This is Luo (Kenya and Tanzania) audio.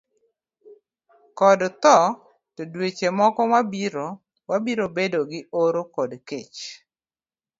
kod tho, to dweche moko mabiro wabiro bedo gi oro kod kech.